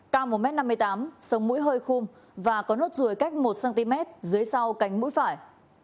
cao một m năm mươi tám sống mũi hơi khung và có nốt ruồi cách một cm dưới sau cánh mũi phải